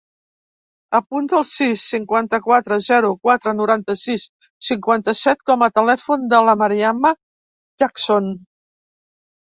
Apunta el sis, cinquanta-quatre, zero, quatre, noranta-sis, cinquanta-set com a telèfon de la Mariama Jackson.